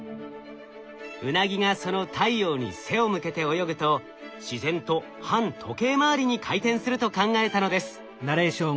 ウナギがその太陽に背を向けて泳ぐと自然と反時計回りに回転すると考えたのです。